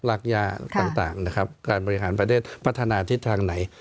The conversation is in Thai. รากย่าต่างนะครับการบริหารประเทศพัฒนาทิศทางไหน